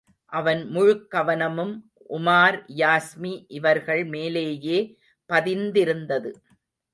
அவன் முழுக் கவனமும் உமார் யாஸ்மி இவர்கள் மேலேயே பதிந்திருந்தது.